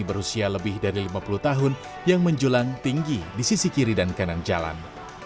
berusia lebih dari lima puluh tahun yang menjulang tinggi di sisi kiri dan kanan jalan